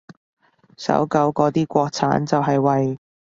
搜狗嗰啲國產就係為